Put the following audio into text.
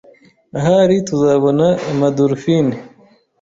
Ahari tuzabona ama dolphine.